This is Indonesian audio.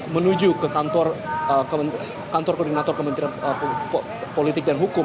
menuju ke kantor koordinator kementerian politik dan hukum